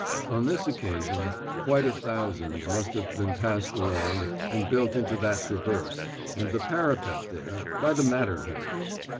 On this occasion quite a thousand must have been passed along and built into that traverse, and the parapet there, by the Matterhorn.